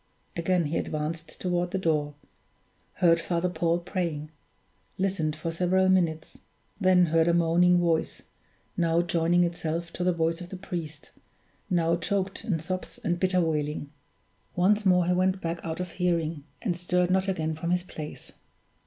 Again he advanced toward the door; heard Father Paul praying; listened for several minutes; then heard a moaning voice, now joining itself to the voice of the priest, now choked in sobs and bitter wailing. Once more he went back out of hearing, and stirred not again from his place.